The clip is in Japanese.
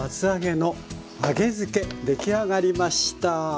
出来上がりました。